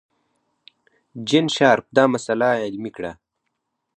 جین شارپ دا مسئله علمي کړه.